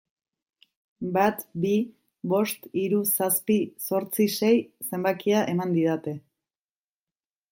Bat bi bost hiru zazpi zortzi sei zenbakia eman didate.